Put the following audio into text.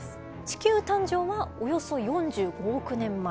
地球誕生はおよそ４５億年前。